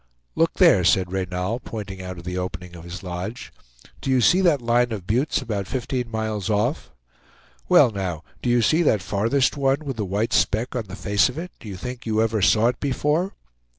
"Look there," said Reynal, pointing out of the opening of his lodge; "do you see that line of buttes about fifteen miles off? Well, now, do you see that farthest one, with the white speck on the face of it? Do you think you ever saw it before?"